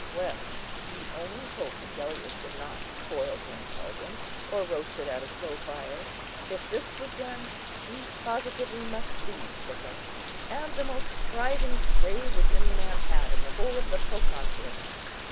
Well, he only hoped Agellius would not be boiled in a caldron, or roasted at a slow fire. If this were done, he positively must leave Sicca, and the most thriving trade which any man had in the whole of the Proconsulate.